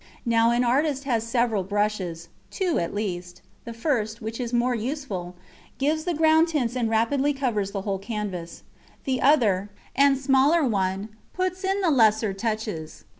Now an artist has several brushes two at the least: the first, which is more useful, gives the ground tints and rapidly covers the whole canvas; the other, and smaller one, puts in the lesser touches.